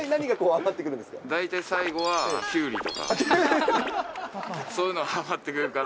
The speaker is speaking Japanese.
大体、最後はキュウリとか。